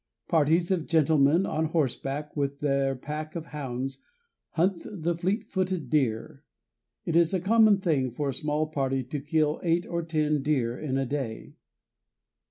Parties of gentlemen on horseback, with their pack of hounds, hunt the fleet footed deer. It is a common thing for a small party to kill eight or ten deer in a day.